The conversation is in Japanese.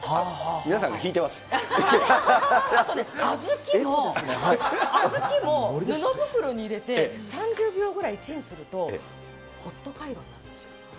皆さんね、あとね、あずきを布袋に入れて、３０秒ぐらいチンすると、ホットカイロになるんですよ。